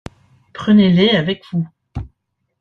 Prenez-les avec vous.